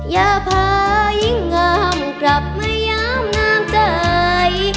อย่าพายิ่งงามกลับมายามน้ำใจ